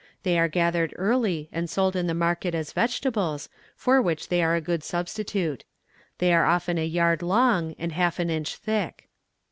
They are gathered early, and sold in the market as vegetables, for which they are a good substitute. They are often a yard long, and half an inch thick.